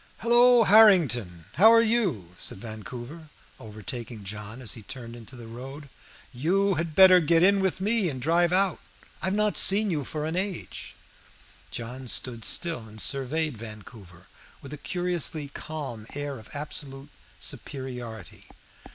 "Hallo, Harrington, how are you?" said Vancouver, overtaking John as he turned into the road. "You had better get in with me and drive out. I have not seen you for an age." John stood still and surveyed Vancouver with a curiously calm air of absolute superiority.